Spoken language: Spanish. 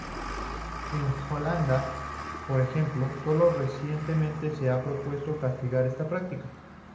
En Holanda, por ejemplo, sólo recientemente se ha propuesto castigar esta práctica.